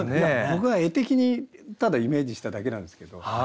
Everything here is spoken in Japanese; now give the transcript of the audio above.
僕は絵的にただイメージしただけなんですけど。